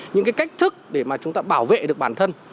những cái cách thức để mà chúng ta bảo vệ được bản thân